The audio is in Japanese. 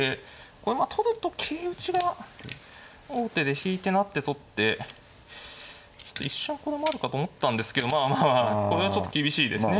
これまあ取ると桂打ちが王手で引いて成って取って一瞬これもあるかと思ったんですけどまあまあこれはちょっと厳しいですね。